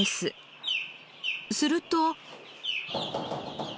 すると。